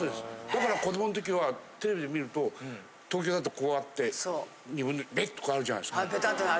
だから子どものときは、テレビで見ると、東京だとこうあって、びっとあるじゃないですか。